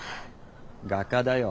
画家だよ。